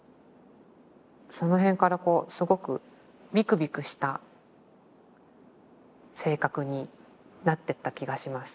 その辺からすごくビクビクした性格になってった気がします。